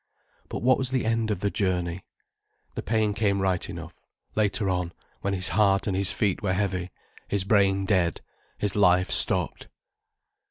But what was the end of the journey? The pain came right enough, later on, when his heart and his feet were heavy, his brain dead, his life stopped.